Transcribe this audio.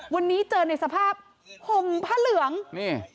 วันนี้เจอในสภาพห่มผ้าเหลืองนี่